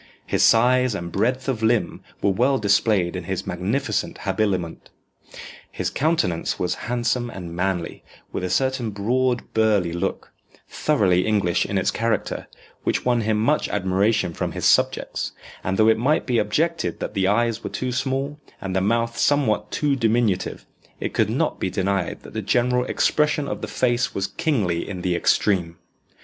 His size and breadth of limb were well displayed in his magnificent habiliment. His countenance was handsome and manly, with a certain broad burly look, thoroughly English in its character, which won him much admiration from his subjects; and though it might be objected that the eyes were too small, and the mouth somewhat too diminutive, it could not be denied that the general expression of the face was kingly in the extreme.